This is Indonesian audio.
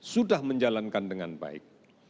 sudah menjalankan dengan baik